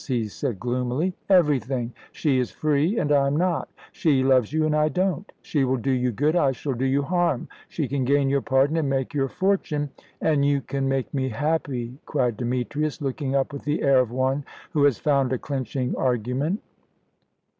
he said gloomily. "Everything. She is free and I am not; she loves you, and I don't; she will do you good, I shall do you harm; she can gain your pardon and make your fortune " "And you can make me happy," cried Demetrius, looking up with the air of one who has found a clinching argument.